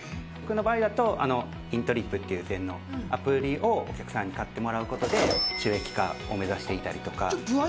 僕の場合だとＩｎＴｒｉｐっていう禅のアプリをお客さんに買ってもらうことで収益化を目指していたりとか。